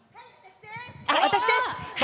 私です！